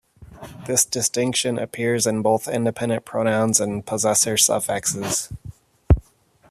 This distinction appears in both independent pronouns and possessor suffixes.